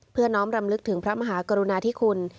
น้อมรำลึกถึงพระมหากรุณาธิคุณ